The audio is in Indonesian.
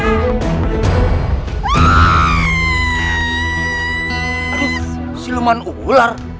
aduh siluman ular